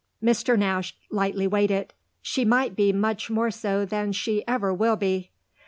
Mr. Nash lightly weighed it. "She might be much more so than she ever will be."